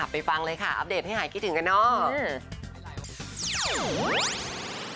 ไปฟังเลยค่ะอัปเดตให้หายคิดถึงกันเนาะ